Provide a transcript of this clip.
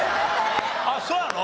あっそうなの？